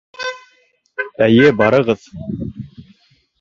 Эйе, барығыҙ.